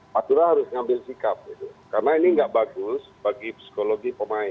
matura harus mengambil sikap karena ini tidak bagus bagi psikologi pemain